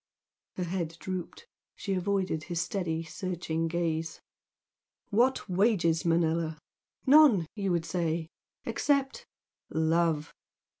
Her head drooped, she avoided his steady, searching gaze. "What wages, Manella? None, you would say, except love!